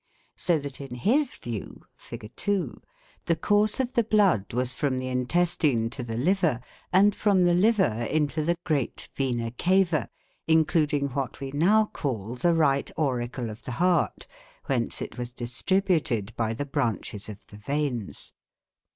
So that, in his view (Fig. 2), the course of the blood was from the intestine to the liver, and from the liver into the great 'vena cava', including what we now call the right auricle of the heart, whence it was distributed by the branches of the veins.